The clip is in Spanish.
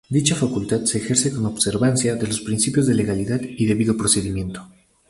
Dicha facultad se ejerce con observancia de los principios de legalidad y debido procedimiento.